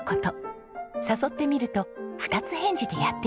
誘ってみると二つ返事でやって来た利光さん。